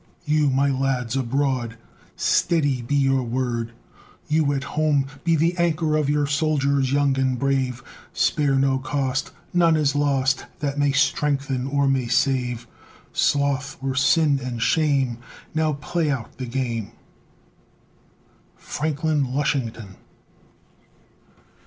You, my lads, abroad, "Steady!" be your word; You, at home, be the anchor of your soldiers young and brave; Spare no cost, none is lost, that may strengthen or may save; Sloth were sin and shame, Now play out the game! FRANKLIN LUSHINGTON.